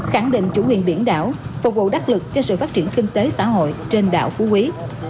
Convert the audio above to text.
khẳng định chủ quyền biển đảo phục vụ đắc lực cho sự phát triển kinh tế xã hội trên đảo phú quý